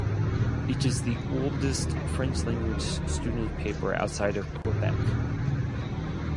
It is the oldest French-language student paper outside of Quebec.